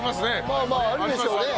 まあまああるでしょうね。